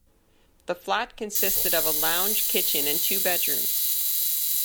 The flat consisted of a lounge, kitchen and two bedrooms.